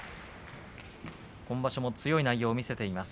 今場所も強い内容を見せています。